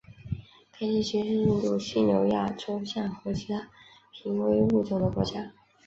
该地区是印度犀牛亚洲象和其他濒危物种的家园。